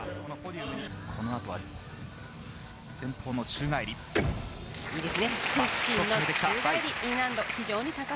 この後は前方の宙返り。